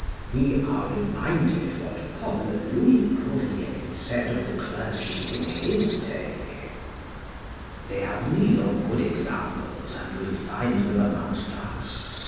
We are reminded what Paul Louis Courier said of the clergy in his day: "They have need of good examples and will find them amongst us.